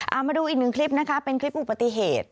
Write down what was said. เอามาดูอีกหนึ่งคลิปนะคะเป็นคลิปอุบัติเหตุ